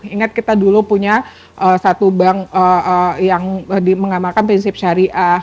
ingat kita dulu punya satu bank yang mengamalkan prinsip syariah